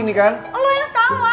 lo yang salah